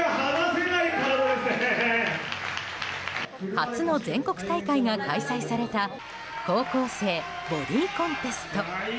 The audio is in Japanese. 初の全国大会が開催された高校生ボディーコンテスト。